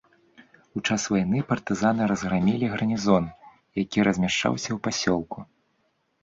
У час вайны партызаны разграмілі гарнізон, які размяшчаўся ў пасёлку.